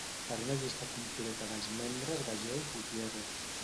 Per una llista completa dels membres vegeu Gutiérrez.